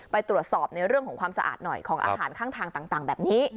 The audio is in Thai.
ไปตรวจสอบในเรื่องของความสะอาดหน่อยของอาหารข้างทางต่างแบบนี้